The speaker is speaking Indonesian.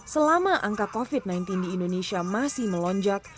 selama angka covid sembilan belas di indonesia masih melonjak